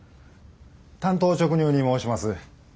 単刀直入に申します。